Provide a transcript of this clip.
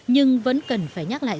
nhưng vẫn cần phải nhắc lại